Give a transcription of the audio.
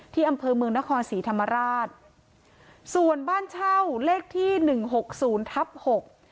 ที่อำเภอเมืองนครศรีธรรมราชส่วนบ้านเช่าเลขที่หนึ่งหกศูนย์ทับหก